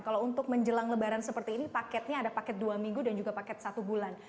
kalau untuk menjelang lebaran seperti ini paketnya ada paket dua minggu dan juga paket satu bulan